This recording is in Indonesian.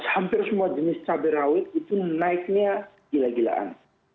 hampir semua jenis cabai rawit itu naiknya gila gilaan